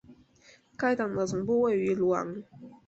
该党的总部位于鲁昂。